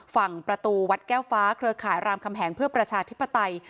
ฝั่งประตูวัดแก้วฟ้าเครือข่ายรามคำแหงเพื่อประชาธิปไตย